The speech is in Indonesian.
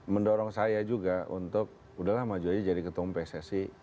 mendorong saya juga untuk udah lama aja jadi ketua umum pssi